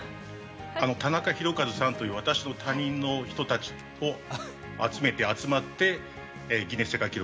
田中宏和さんという私と他人の人たちを集めて集まって、ギネス世界記録。